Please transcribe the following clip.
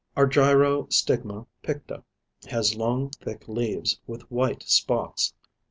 Argyrostigma picta has long, thick leaves, with white spots.